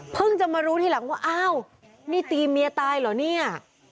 จะมารู้ทีหลังว่าอ้าวนี่ตีเมียตายเหรอเนี่ย